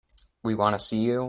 We want to see you.